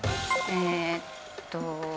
えーっと。